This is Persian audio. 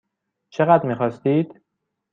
چقدر میخواستید؟